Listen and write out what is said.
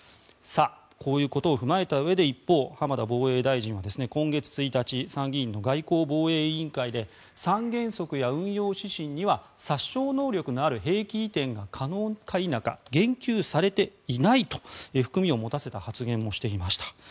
こういうことを踏まえたうえで一方、浜田防衛大臣は今月１日参議院の外交防衛委員会で三原則や運用指針には殺傷能力のある兵器移転が可能か否か言及されていないと含みを持たせた発言もしていました。